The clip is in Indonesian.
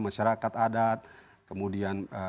masyarakat adat kemudian